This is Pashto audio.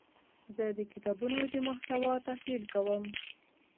زه د کتابونو د محتوا تحلیل کوم.